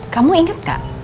kamu inget gak